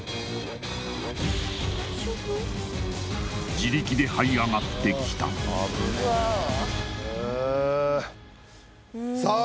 自力ではい上がってきたさあ